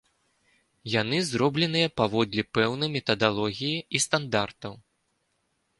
Яны зробленыя паводле пэўнай метадалогіі і стандартаў.